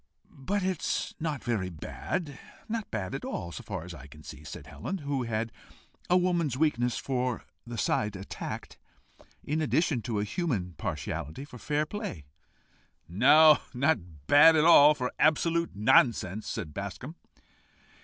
"But it's not very bad not bad at all, so far as I see," said Helen, who had a woman's weakness for the side attacked, in addition to a human partiality for fair play. "No, not bad at all for absolute nonsense," said Bascombe.